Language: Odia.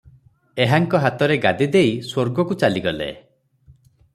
ଏହାଙ୍କ ହାତରେ ଗାଦି ଦେଇ ସ୍ୱର୍ଗକୁ ଚାଲିଗଲେ ।